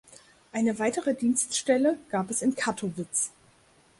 Eine weitere Dienststelle gab es in Kattowitz.